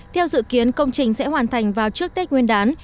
theo dự kiến công trình sẽ hoàn thành vào trước tết nguyên đán